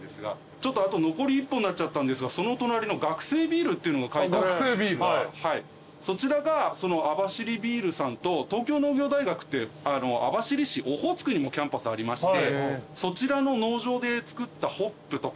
ちょっとあと残り１本になっちゃったんですがその隣の学生ビールっていうのが書いてあると思うんですがそちらが網走ビールさんと東京農業大学って網走市オホーツクにもキャンパスありまして。